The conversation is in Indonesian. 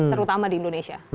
terutama di indonesia